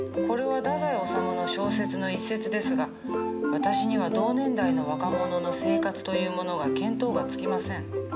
これは太宰治の小説の一節ですが私には同年代の若者の生活というものが見当がつきません。